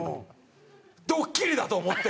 ドッキリだと思って。